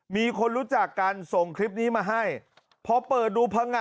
มีคนรู้จักกันส่งคลิปนี้มาให้พอเปิดดูพังงะ